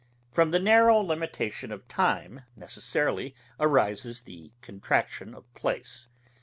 From the narrow limitation of time necessarily arises the contraction of place.